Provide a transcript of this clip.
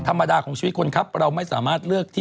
เราแชร์กันเยอะมากตอนนี้